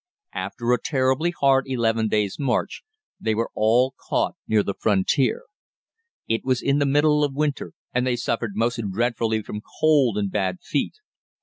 After a terribly hard eleven days' march they were all caught near the frontier. It was in the middle of winter, and they suffered most dreadfully from cold and bad feet.